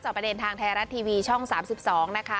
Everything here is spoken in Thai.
ประเด็นทางไทยรัฐทีวีช่อง๓๒นะคะ